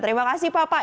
terima kasih bapak